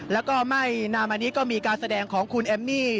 แล้วก็ไม่นานมานี้ก็มีการแสดงของคุณแอมมี่